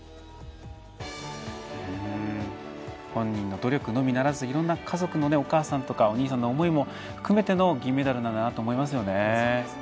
本人の努力のみならずいろいろな家族のお母さんとかお兄さんの思いも含めての銀メダルなんだなと思います。